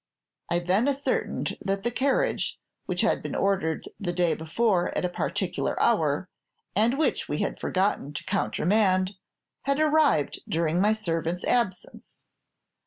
"I then ascertained that the carriage which had been ordered the day before at a particular hour, and which we had forgotten to countermand, had arrived during my servant's absence.